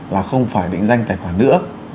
là không phải định danh tài khoản nữa